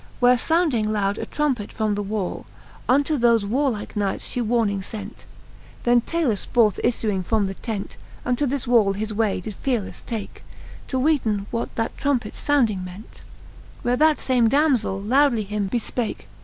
Where founding loud a trumpet from the wall. Unto thofe warlike knights fhe warning fent. Then Talus forth iffuing from the tent, Unto the wall his way did fearelefle take. To weeten what that trumpets founding ment : Where that fame damzell lowdly him befpake.